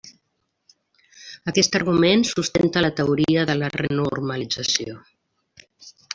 Aquest argument sustenta la teoria de la renormalització.